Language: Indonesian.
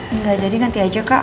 enggak jadi nanti aja kak